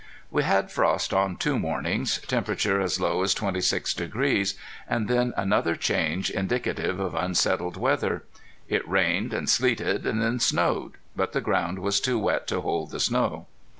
We had frost on two mornings, temperature as low as twenty six degrees, and then another change indicative of unsettled weather. It rained, and sleeted, and then snowed, but the ground was too wet to hold the snow.